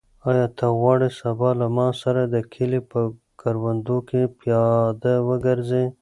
آیا ته غواړې سبا له ما سره د کلي په کروندو کې پیاده وګرځې؟